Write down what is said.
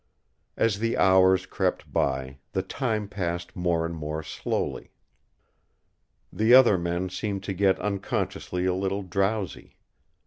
As the hours crept by, the time passed more and more slowly. The other men seemed to get unconsciously a little drowsy.